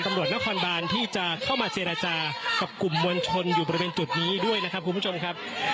ตำรวจนครบานที่จะเข้ามาเจรจากับกลุ่มมวลชนอยู่บริเวณจุดนี้ด้วยนะครับคุณผู้ชมครับ